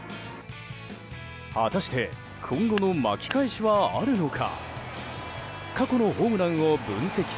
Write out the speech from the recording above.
果たして今後の巻き返しはあるのか。